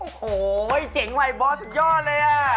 โอ้โหเจ๋งไวบอสยอดเลยอะ